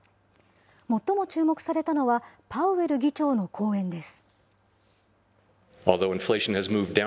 最も注目されたのは、パウエル議長の講演です。